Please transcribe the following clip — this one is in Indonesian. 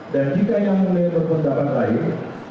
dan jika yang mulai berpendapat lain